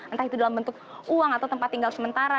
entah itu dalam bentuk uang atau tempat tinggal sementara